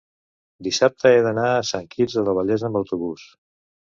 dissabte he d'anar a Sant Quirze del Vallès amb autobús.